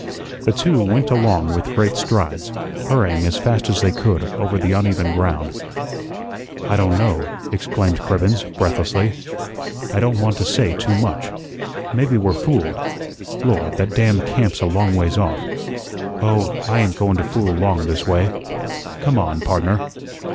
The two went along with great strides, hurrying as fast as they could over the uneven ground. "I don' know," exclaimed Cribbens, breathlessly, "I don' want to say too much. Maybe we're fooled. Lord, that damn camp's a long ways off. Oh, I ain't goin' to fool along this way. Come on, pardner."